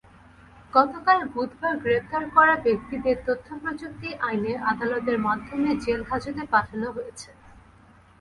গতকাল বুধবার গ্রেপ্তার করা ব্যক্তিদের তথ্যপ্রযুক্তি আইনে আদালতের মাধ্যমে জেলহাজতে পাঠানো হয়েছে।